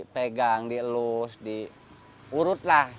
dipegang dielus diurut lah